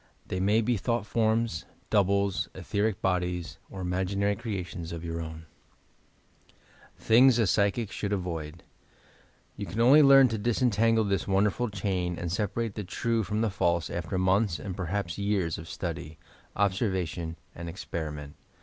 They may be thought forms, doubles, etberic bodies, or imaginary creations of your own, THINGS A PSYCHIC SHOUU) AVOID You can only learn to disentangle this wonderful chain and separate the true from the false after months and perhaps years of study, observation and experiment.